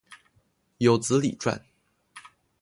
有子李撰。